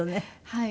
はい。